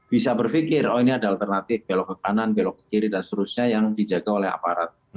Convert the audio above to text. bisa berpikir oh ini ada alternatif belok ke kanan belok ke kiri dan seterusnya yang dijaga oleh aparat